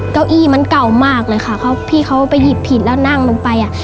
เก้าอี้มันเก่ามากเลยค่ะเขาพี่เขาไปหยิบผิดแล้วนั่งลงไปอ่ะ